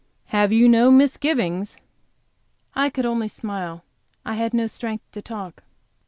"Have you no misgivings?" I could only smile; I had no strength to talk.